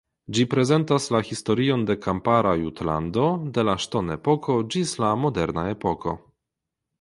Ĝi prezentas la historion de kampara Jutlando de la ŝtonepoko ĝis la moderna epoko.